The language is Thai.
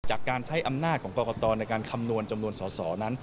จากการใช้อำนาจของกรกตในการคำนวณจำนวนสอสอนั้น